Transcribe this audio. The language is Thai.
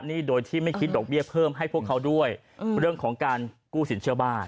โดยที่ไม่คิดดอกเบี้ยเพิ่มให้พวกเขาด้วยเรื่องของการกู้สินเชื่อบ้าน